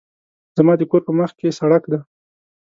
زما د کور په مخکې سړک ده